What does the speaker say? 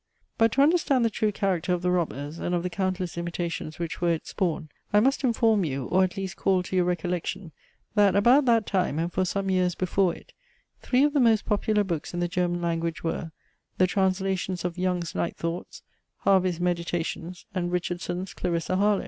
But to understand the true character of the ROBBERS, and of the countless imitations which were its spawn, I must inform you, or at least call to your recollection, that, about that time, and for some years before it, three of the most popular books in the German language were, the translations Of YOUNG'S NIGHT THOUGHTS, HERVEY'S MEDITATIONS, and RICHARDSON'S CLARISSA HARLOW.